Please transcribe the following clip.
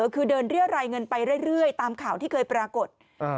คือเดินเรียรายเงินไปเรื่อยตามข่าวที่เคยปรากฏ